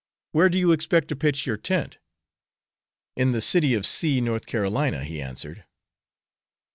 "Where do you expect to pitch your tent?" "In the city of C , North Carolina," he answered.